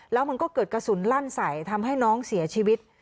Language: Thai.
แล้วมันก็เกิดกระสุนลั่นใส่ทำให้น้องเสียชีวิต